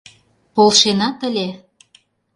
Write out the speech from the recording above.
Полшенат ыле.